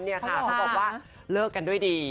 เขาบอกว่าเลิกกันด้วยดี